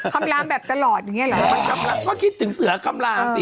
เขาก็คิดถึงเสือกำรามสิ